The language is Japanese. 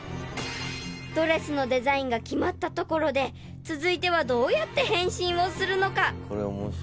［ドレスのデザインが決まったところで続いてはどうやって変身をするのか？］